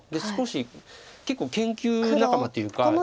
少し結構研究仲間っていうか。